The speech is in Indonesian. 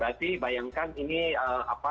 berarti bayangkan ini apa